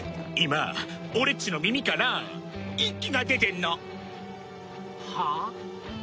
今俺っちの耳から一輝が出てんの。はあ？